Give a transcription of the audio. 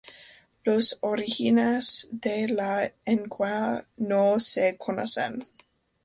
Los orígenes de la lengua no se conocen.